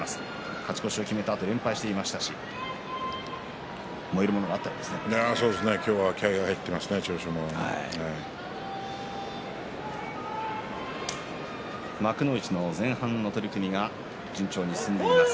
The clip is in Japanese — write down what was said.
勝ち越しを決めたあと連敗していましたし燃えるものがあった今日は気合いが幕内の前半の取組が順調に進んでいます。